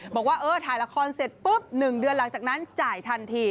บอกว่าเออถ่ายละครเสร็จปุ๊บ๑เดือนหลังจากนั้นจ่ายทันที